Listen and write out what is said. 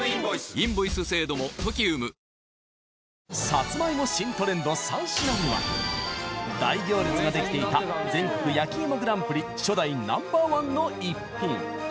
さつまいも新トレンド３品目は大行列ができていた全国やきいもグランプリ初代Ｎｏ．１の逸品